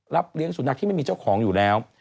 เลี้ยงสุนัขที่ไม่มีเจ้าของอยู่แล้ว